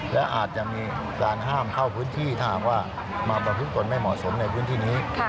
และอาจจะมีการห้ามเข้าพื้นที่ถ้าหากว่ามาประพฤติตนไม่เหมาะสมในพื้นที่นี้